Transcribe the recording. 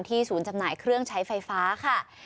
ศูนย์จำหน่ายเครื่องใช้ไฟฟ้าค่ะ